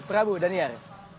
prabu dan daniar